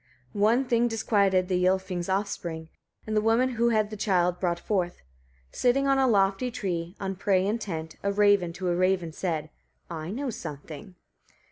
5. One thing disquieted the Ylfing's offspring, and the woman who had the child brought forth. Sitting on a lofty tree, on prey intent, a raven to a raven said: "I know something.